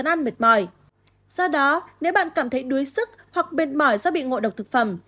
do đó nếu bạn cảm thấy đuối sức hoặc mệt mỏi do bị ngộ độc thực phẩm